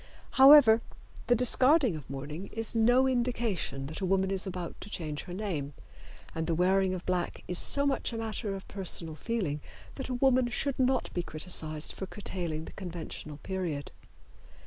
However, the discarding of mourning is no indication that a woman is about to change her name, and the wearing of black is so much a matter of personal feeling that a woman should not be criticised for curtailing the conventional period.